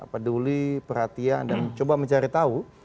peduli perhatian dan coba mencari tahu